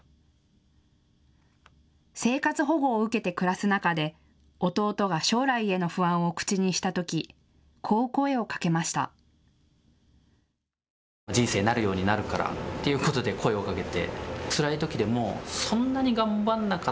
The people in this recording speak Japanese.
生活保護を受けて暮らす中で弟が将来への不安を口にしたとき、こう声をかけました。